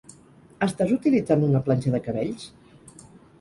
Estàs utilitzant una planxa de cabells?